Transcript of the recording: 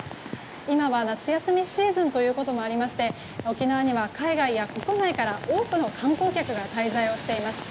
今は夏休みシーズンということもありまして沖縄には海外や国内から多くの観光客が滞在をしています。